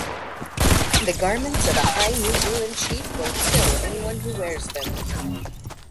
The garments of a high New Zealand chief will kill anyone who wears them.